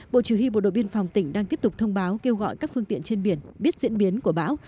bộ chỉ huy bộ đội biên phòng tỉnh đang tiếp tục thông báo kêu gọi các phương tiện trên biển biết diễn biến của bão